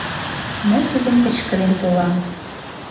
Мый тудым кычкырен толам.